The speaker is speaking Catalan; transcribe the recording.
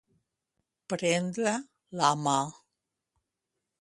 Prendre la mà.